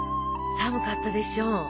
寒かったでしょ。